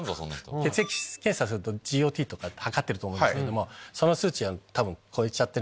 血液検査するとＧＯＴとか測ってると思うんですけどその数値を多分超えちゃってる。